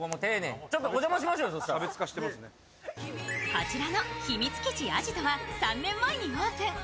こちらのひみつ基地アジトは３年前にオープン。